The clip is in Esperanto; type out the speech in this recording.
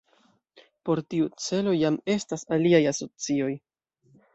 Por tiu celo jam estas aliaj asocioj.